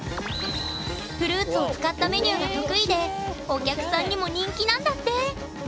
フルーツを使ったメニューが得意でお客さんにも人気なんだって！